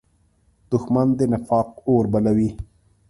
دښمن د نفاق اور بلوي